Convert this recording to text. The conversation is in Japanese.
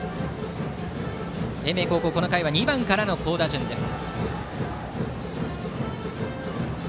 英明高校、この回は２番からの好打順です。